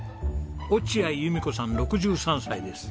落合由美子さん６３歳です。